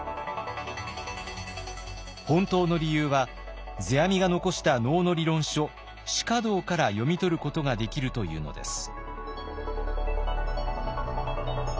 本当の理由は世阿弥が残した能の理論書「至花道」から読み取ることができるというのです。